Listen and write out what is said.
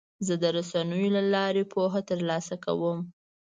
زه د رسنیو له لارې پوهه ترلاسه کوم.